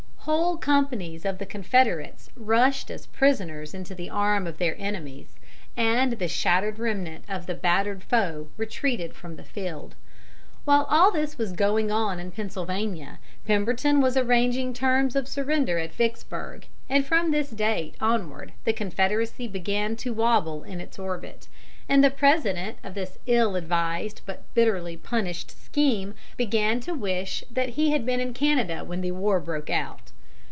Whole companies of the Confederates rushed as prisoners into the arms of their enemies, and the shattered remnant of the battered foe retreated from the field. While all this was going on in Pennsylvania, Pemberton was arranging terms of surrender at Vicksburg, and from this date onward the Confederacy began to wobble in its orbit, and the President of this ill advised but bitterly punished scheme began to wish that he had been in Canada when the war broke out.